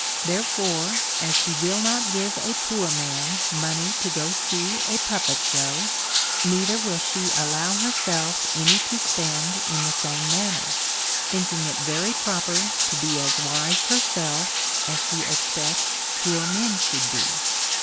Therefore, as she will not give a poor man money to go to see a puppet show, neither will she allow herself any to spend in the same manner ; think ing it very proper to be as wise herself as she expects poor men should be.